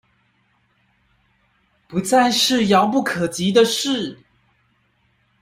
不再是遙不可及的事